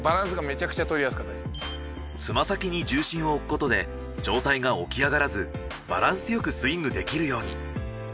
つま先に重心を置くことで状態が起き上がらずバランスよくスイングできるように。